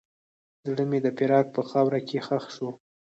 زړه مې د فراق په خاوره کې ښخ شو.